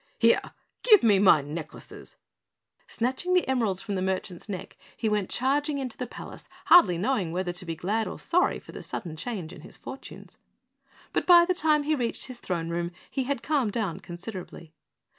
"Here, GIVE me my necklaces." Snatching the emeralds from the merchant's neck, he went charging into the palace hardly knowing whether to be glad or sorry for the sudden change in his fortunes. But by the time he reached his throne room, he had calmed down considerably.